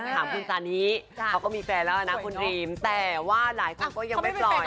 ถามคุณซานิเขาก็มีแฟนแล้วนะคุณดรีมแต่ว่าหลายคนก็ยังไม่ปล่อย